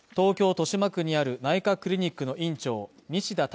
豊島区にある内科クリニックの院長西田隆